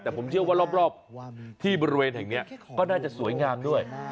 แต่ผมเชื่อว่ารอบที่บริเวณแห่งนี้ก็น่าจะสวยงามด้วย